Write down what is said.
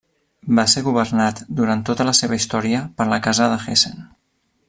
Va ser governat durant tota la seva història per la Casa de Hessen.